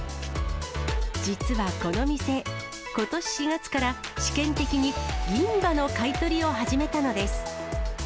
実はこの店、ことし４月から試験的に銀歯の買い取りを始めたのです。